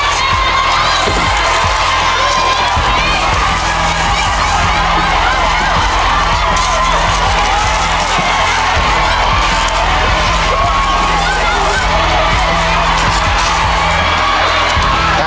จริง